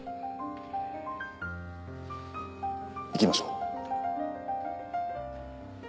行きましょう。